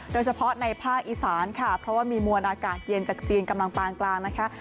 โดยเฉพาะในภาคอีสานค่ะเพราะว่ามีมวลอากาศเย็นจากจีนกำลังปานกลางนะคะ